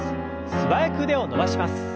素早く腕を伸ばします。